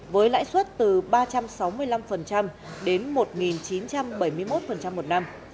với lãi suất từ ba trăm sáu mươi năm đến một chín trăm bảy mươi một một năm